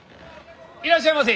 いらっしゃいませ！